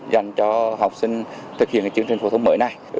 dành cho học sinh thực hiện chương trình phổ thông mới này